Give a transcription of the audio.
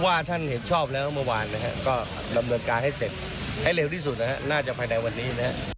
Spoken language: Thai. ถ้าท่านเห็นชอบแล้วมะวานก็ดำเนินการให้เสร็จให้เร็วที่สุดน่าจะภายในวันนี้